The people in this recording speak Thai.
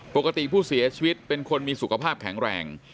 ปกติผู้เสียชีวิตเป็นคนมีสุขภาพแข็งแรง